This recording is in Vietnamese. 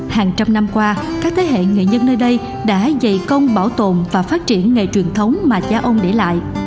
hàng trăm năm qua các thế hệ người dân nơi đây đã dày công bảo tồn và phát triển nghề truyền thống mà cha ông để lại